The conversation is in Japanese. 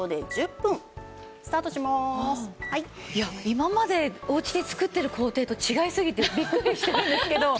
今までおうちで作ってる工程と違いすぎてビックリしてるんですけど。